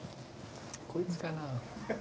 こいつがな。